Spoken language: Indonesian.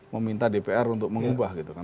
meminta dpr untuk mengubah gitu kan